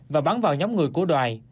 và bắn vào nhóm người của đoài